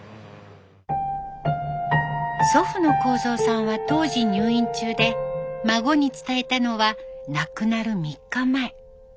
祖父の幸蔵さんは当時入院中で孫に伝えたのは亡くなる３日前。